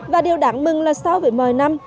và điều đáng mừng là sau một mươi năm